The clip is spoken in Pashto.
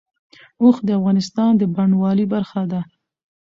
اوښ د افغانستان د بڼوالۍ برخه ده.